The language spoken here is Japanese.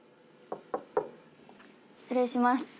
失礼します。